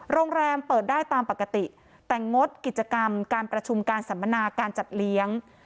โรงแรมเปิดได้ตามปกติแต่งดกิจกรรมการประชุมการสัมมนาการจัดเลี้ยง